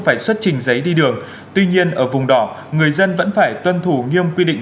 phải xuất trình giấy đi đường tuy nhiên ở vùng đỏ người dân vẫn phải tuân thủ nghiêm quy định